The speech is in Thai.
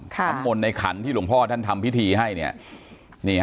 ทั้งหมดในขันที่หลวงพ่อท่านทำพิธีให้